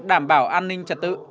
đảm bảo an ninh trật tự